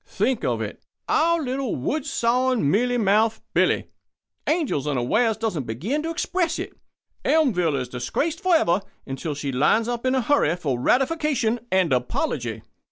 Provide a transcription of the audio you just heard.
Think of it! Our little, wood sawing, mealy mouthed Billy! Angel unawares doesn't begin to express it. Elmville is disgraced forever until she lines up in a hurry for ratification and apology."